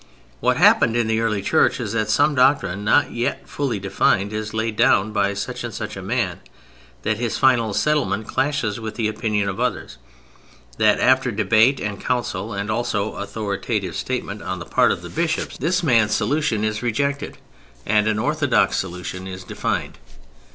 What happens in the early Church is that some doctrine not yet fully defined is laid down by such and such a man, that his final settlement clashes with the opinion of others, that after debate and counsel, and also authoritative statement on the part of the bishops, this man's solution is rejected and an orthodox solution is defined.